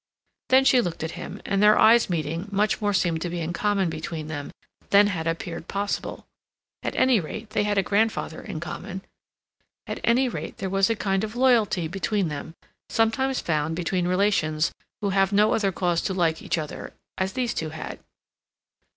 Then she looked at him, and their eyes meeting, much more seemed to be in common between them than had appeared possible. At any rate they had a grandfather in common; at any rate there was a kind of loyalty between them sometimes found between relations who have no other cause to like each other, as these two had.